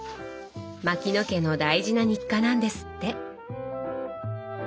牧野家の大事な日課なんですって。